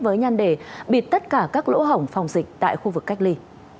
với nhăn đề bịt tất cả các lỗ hỏng phòng dịch tại khu vực cách ly